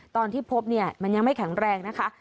ตอนที่พบเนี่ยมันยังไม่แข็งแรงนะคะ